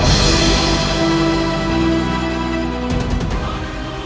terima kasih cacing